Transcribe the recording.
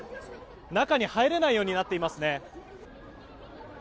中に入れないようになっていますね。